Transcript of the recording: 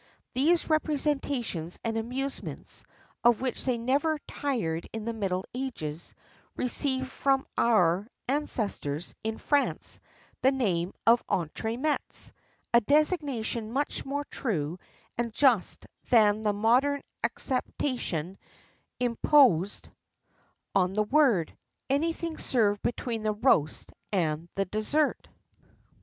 These representations and amusements, of which they never tired in the middle ages, received from our ancestors, in France, the name of entre mets; a designation much more true and just than the modern acceptation imposed on the word anything served between the roast and the dessert.